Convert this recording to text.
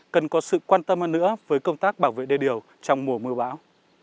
cần có sự quan tâm hơn nữa với công tác bảo vệ đê điều trong mùa mưa bão